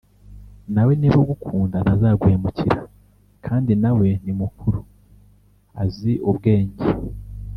na we niba agukunda ntazaguhemukira kandi na we ni mukuru azi ubwenge